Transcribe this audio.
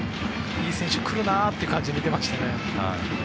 いい選手、来るなという感じで見てましたね。